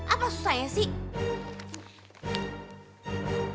apa susahnya sih